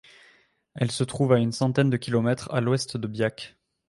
Elle se trouve à une centaine de kilomètres à l'ouest de Biak.